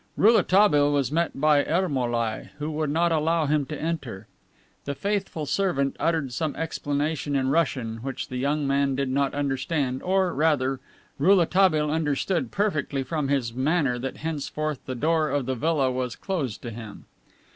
Rouletabille was met by Ermolai, who would not allow him to enter. The faithful servant uttered some explanation in Russian, which the young man did not understand, or, rather, Rouletabille understood perfectly from his manner that henceforth the door of the villa was closed to him.